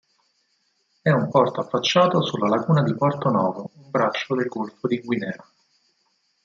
È un porto affacciato sulla laguna di Porto-Novo, un braccio del golfo di Guinea.